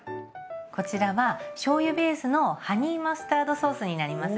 こちらはしょうゆベースのハニーマスタードソースになります。